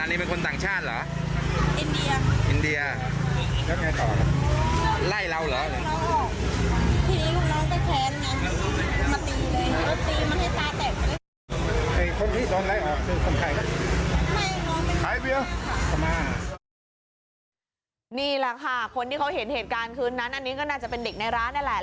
นี่แหละค่ะคนที่เขาเห็นเหตุการณ์คืนนั้นอันนี้ก็น่าจะเป็นเด็กในร้านนั่นแหละ